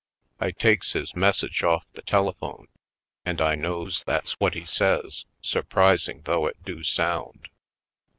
I takes his message off the telephone and I knows that's what he says, surprising though it do sound.